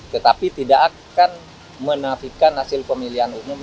tetapi tidak akan menafikan hasil pemilihan umum